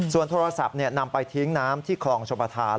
ส่วนโทรศัพท์นำไปทิ้งน้ำที่คลองชมประธาน